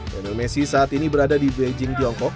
daniel messi saat ini berada di beijing tiongkok